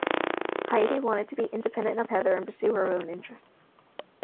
Heidi wanted to be independent of Heather and pursue her own interests.